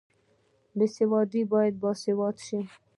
بې سواده باید باسواده شي